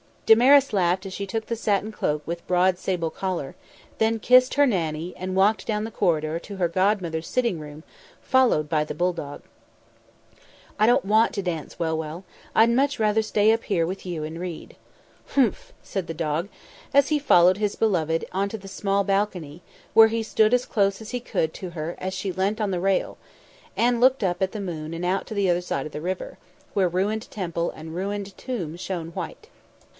Damaris laughed as she took the satin cloak with broad sable collar, then kissed her Nannie and walked down the corridor to her godmother's sitting room, followed by the bulldog. "I don't want to dance, Well Well; I'd much rather stay up here with you and read." "Humff!" said the dog, as he followed his beloved onto the small balcony, where he stood as close as he could to her as she leant on the rail, and looked up at the moon and out to the other side of the river, where ruined temple and ruined tomb shone white.